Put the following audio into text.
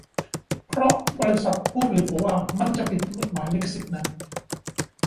เพราะบริษัทผู้ผลิตบอกว่ามันจะผิดกฎหมายลิขสิทธิ์นะ